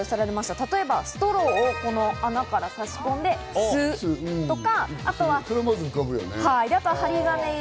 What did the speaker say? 例えばストローを穴から差し込んで吸うとか。